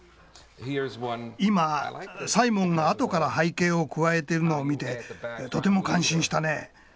今サイモンがあとから背景を加えてるのを見てとても感心したね。